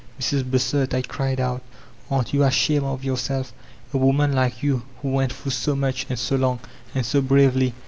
''Mrs. Bossert," I cried out, ''aren't yon ashamed of yourself? A woman like you, who went through so much, and so long, and so bravely!